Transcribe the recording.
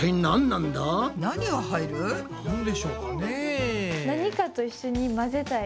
なんでしょうかね？